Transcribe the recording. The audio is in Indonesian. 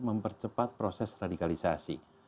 mempercepat proses radikalisasi